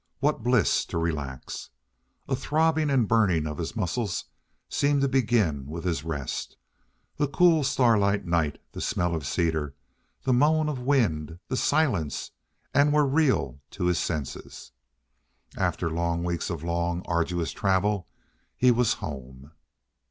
What bliss to relax! A throbbing and burning of his muscles seemed to begin with his rest. The cool starlit night, the smell of cedar, the moan of wind, the silence an were real to his senses. After long weeks of long, arduous travel he was home.